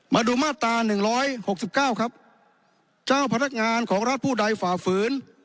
มาดูมาตราหนึ่งร้อยหกสิบเก้าครับเจ้าพนักงานของรัฐผู้ใดฝ่าฝืน